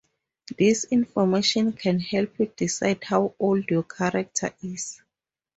This information can help you decide how old your character is.